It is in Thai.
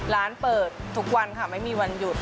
ร้านเปิดทุกวันค่ะไม่มีวันหยุด